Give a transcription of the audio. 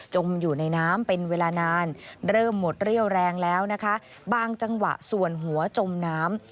จมอยู่ในน้ำเป็นเวลานาน